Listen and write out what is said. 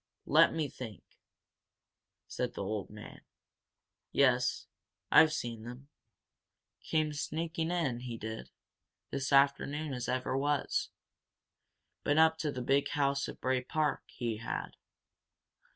"Let me think," said the old man. "Yes I seen 'un. Came sneaking in, he did, this afternoon as ever was! Been up to the big house at Bray Park, he had.